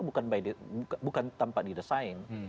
bukan tanpa didesain